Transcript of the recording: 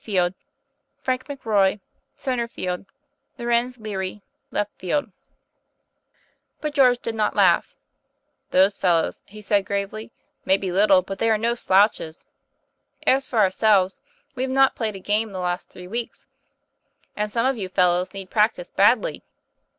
f. FRANK McRov, c. f. LORENZ LERY, 1. f. TOM PLAY FAIR 213 But George did not laugh. "Those fellows," he said gravely, "may be little, but they are no slouches. As for ourselves, we have not played a game the last three weeks, and some of you fellows need practice badly."